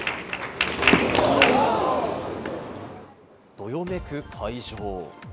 どよめく会場。